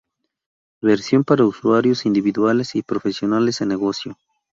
Versión para usuarios individuales y profesionales en negocio.